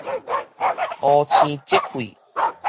烏青積血